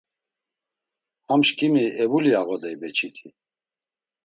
Ham şǩimi evuli ağodey beçiti.